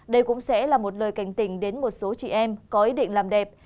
đây cũng sẽ là một lời cảnh tình đến một số chị em có ý định làm đẹp